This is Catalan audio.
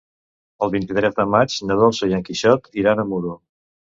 El vint-i-tres de maig na Dolça i en Quixot iran a Muro.